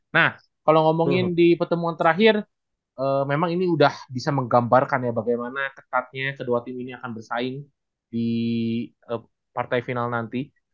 nah kalau ngomongin di pertemuan terakhir memang ini udah bisa menggambarkan ya bagaimana ketatnya kedua tim ini akan bersaing di partai final nanti